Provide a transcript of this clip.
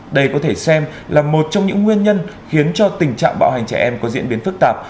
đây có thể xem là một trong những nguyên nhân khiến cho tình trạng bạo hành trẻ em có diễn biến phức tạp